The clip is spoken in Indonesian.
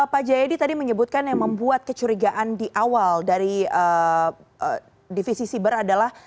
pak jayadi tadi menyebutkan yang membuat kecurigaan di awal dari divisi siber adalah